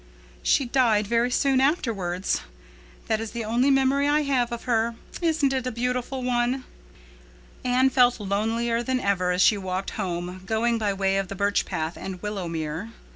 She died very soon afterwards. That is the only memory I have of her. Isn't it a beautiful one?" Anne felt lonelier than ever as she walked home, going by way of the Birch Path and Willowmere.